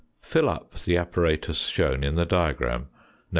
~ Fit up the apparatus shown in the diagram (fig.